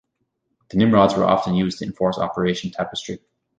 The Nimrods were often used to enforce Operation Tapestry.